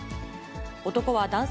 男は男性